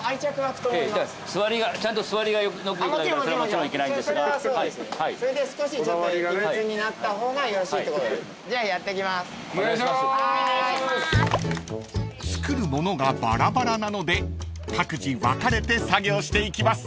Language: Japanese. ［作るものがバラバラなので各自分かれて作業していきます］